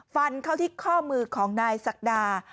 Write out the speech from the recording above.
ฟันเข้าที่ข้อมือของนายศักดา